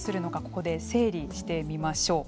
ここで整理してみましょう。